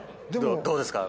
どうですか？